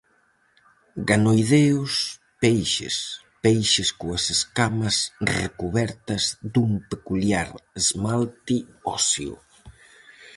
Ganoideos, peixes: Peixes coas escamas recubertas dun peculiar esmalte óseo.